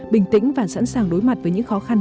bình tĩnh và sẵn sàng đối mặt với những khó khăn